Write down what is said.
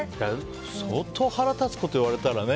相当腹が立つこと言われたらね